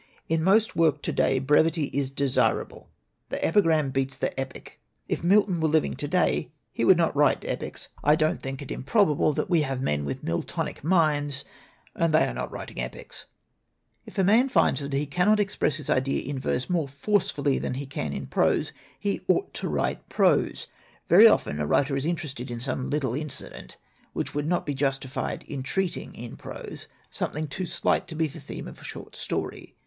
In most work to day brevity is desirable. The epi gram beats the epic. If Milton were living to day he would not write epics. I don't think it improbable that we have men with Miltonic minds, and they are not writing epics. "If a man finds that he cannot express his idea in verse more forcefully than he can in prose, then he ought to write prose. Very often a writer is interested in some little incident which he would not be justified in treating in prose, something too slight to be the theme of a short story.